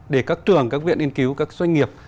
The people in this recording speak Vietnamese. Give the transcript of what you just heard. để các trường các viện nghiên cứu các doanh nghiệp